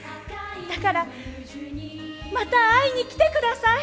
だからまた会いに来て下さい。